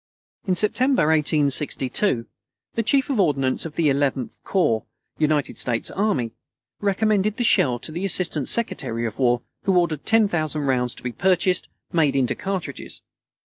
In September, 1862, the Chief of Ordnance of the Eleventh corps, United States army, recommended the shell to the Assistant Secretary of War, who ordered 10,000 rounds to be purchased made into cartridges.